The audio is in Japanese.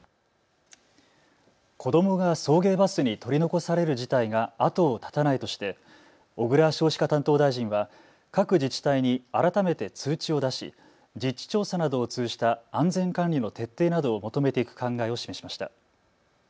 子どもが送迎バスに取り残される事態が後を絶たないとして小倉少子化担当大臣は各自治体に改めて通知を出し、実地調査などを通じた安全管理の徹底などを求めていく考えを示しました。